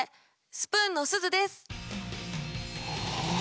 スプーンのすずです。